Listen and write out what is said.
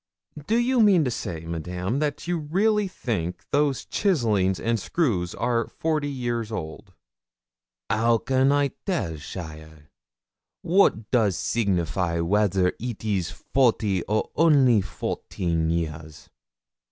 'Do you mean to say, Madame, that you really think those chisellings and screws are forty years old?' 'How can I tell, cheaile? What does signify whether it is forty or only fourteen years?